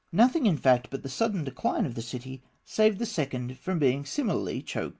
Nothing, in fact, but the sudden decline of the city, saved the second from being similarly choked and buried.